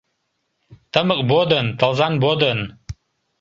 Тымык водын, тылзан водын